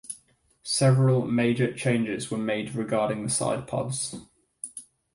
Several major changes were made regarding the side pods.